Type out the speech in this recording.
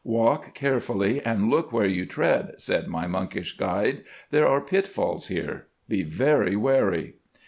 "'Walk carefully and look where you tread,' said my monkish guide. 'There are pitfalls here; be very wary.